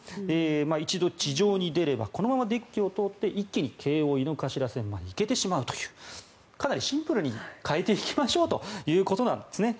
一度地上に出ればこのままデッキを通って一気に京王井の頭線まで行けてしまうというかなりシンプルに変えていきましょうということなんですね。